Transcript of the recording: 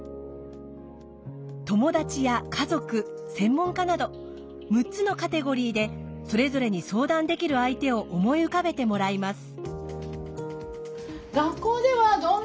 友達や家族専門家など６つのカテゴリーでそれぞれに相談できる相手を思い浮かべてもらいます。